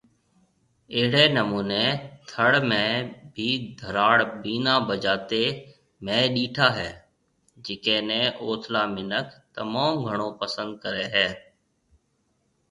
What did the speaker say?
اهڙي نموني ٿڙ ۾ بِي ڌراڙ بينا بجاتي مينهه ڏيٺا هي جڪي ني اوٿلا منک تموم گھڻو پسند ڪري هي